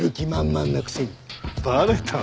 バレた？